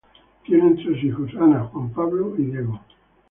Tienen tres hijos: Ana, Juan Pablo y Diego.